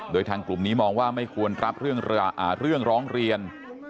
โดยทางกลุ่มนี้มองว่าไม่ควรรับเรื่องร้องเรียน